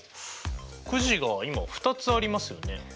くじが今２つありますよね。